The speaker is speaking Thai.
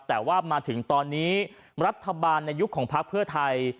แต่ว่ามาถึงตอนนี้รัฐบาลในยุคของพักเพื่อไทย